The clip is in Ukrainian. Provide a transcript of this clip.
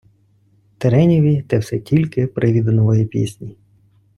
Тереньові те все тільки привід до нової пісні.